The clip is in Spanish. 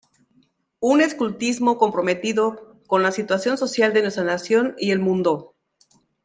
Un escultismo comprometido con la situación social de nuestra nación y el mundo.